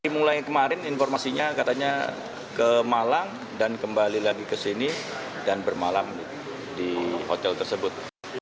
mulai kemarin informasinya katanya ke malang dan kembali lagi ke sini dan bermalam di hotel tersebut